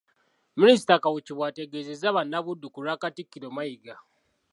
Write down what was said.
Minisita Kawuki bw’ategeezezza bannabuddu ku lwa Katikkiro Mayiga.